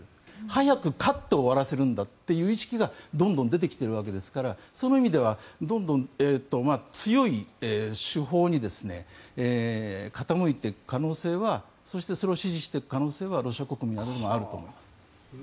早く勝って終わらせるんだという意識がどんどん出てきているわけですからその意味では強い手法に傾いていく可能性はそしてそれを支持していく可能性はロシア国民の中にはあると思います。